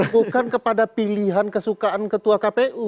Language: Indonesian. bukan kepada pilihan kesukaan ketua kpu